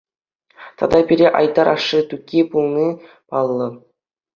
Тата пире Айтар ашшӗ Тукки пулни паллӑ.